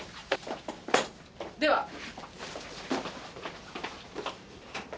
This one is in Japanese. では。